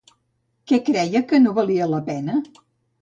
Què creia que no valia la pena?